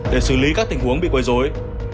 để xử lý các tình huống bị quấy rối